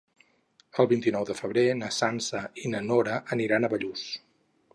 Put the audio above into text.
El vint-i-nou de febrer na Sança i na Nora aniran a Bellús.